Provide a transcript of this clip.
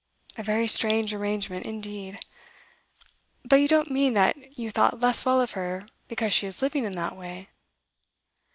A very strange arrangement, indeed. But you don't mean that you thought less well of her because she is living in that way?